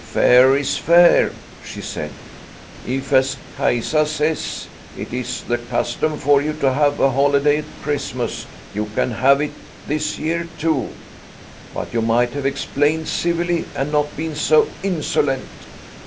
" Fair is fair/' she said. " If, as Kaisa says, it is the custom for you to have a holiday at Christmas, you can have it this year too. But you might have explained civilly and not been so insolent."